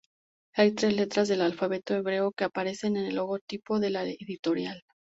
Hay tres letras del alfabeto hebreo que aparecen en el logotipo de la editorial.